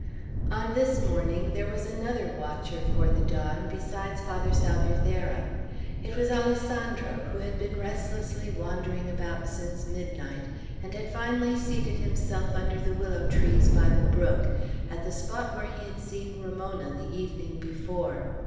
On this morning there was another watcher for the dawn besides Father Salvierderra. It was Alessandro, who had been restlessly wandering about since midnight, and had finally seated himself under the willow trees by the brook, at the spot where he had seen Ramona the evening before.